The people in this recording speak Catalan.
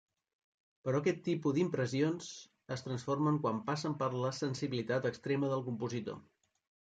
Però aquest tipus d'impressions es transformen quan passen per la sensibilitat extrema del compositor.